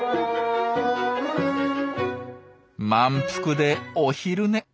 満腹でお昼寝。